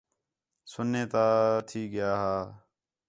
سُنّے تا تھی ڳِیا ہا